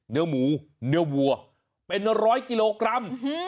เนื้อหมูเนื้อวัวเป็น๑๐๐กิโลกรัม